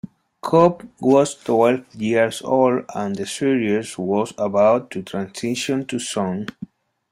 Cobb was twelve years old, and the series was about to transition to sound.